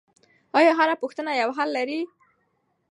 آیا هره پوښتنه یو حل لري؟